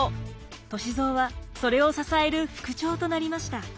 歳三はそれを支える副長となりました。